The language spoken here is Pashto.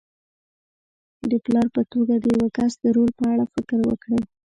د پلار په توګه د یوه کس د رول په اړه فکر وکړئ.